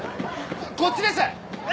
こっちです！